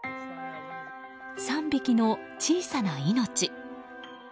３匹の小さな命。